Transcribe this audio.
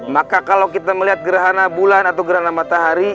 maka kalau kita melihat gerhana bulan atau gerhana matahari